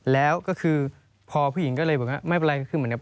แล้วก็คือพาผู้หญิงก็เรียกก็นะไม่เป็นไร